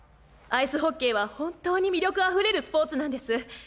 アイスホッケーは本当に魅力あふれるスポーツなんです。